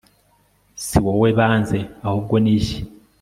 si wowe banze, ahubwo ni jye